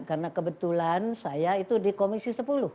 karena kebetulan saya itu di komisi sepuluh